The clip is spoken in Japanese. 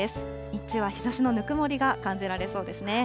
日中は日ざしのぬくもりが感じられそうですね。